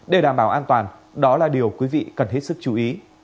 để đảm bảo an toàn đó là điều quý vị cần hết sức chú ý